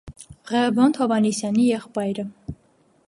Ղևոնդ Հովնանյանի եղբայրը։